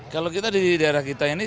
kalau kita di daerah kita ini